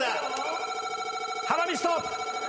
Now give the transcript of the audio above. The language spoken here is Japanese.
ハラミストップ。